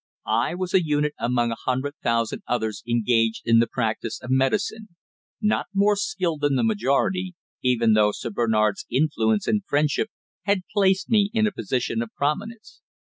I was a unit among a hundred thousand others engaged in the practice of medicine, not more skilled than the majority, even though Sir Bernard's influence and friendship had placed me in a position of prominence.